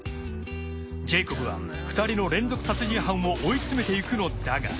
ジェイコブは二人の連続殺人犯を追い詰めていくのだが。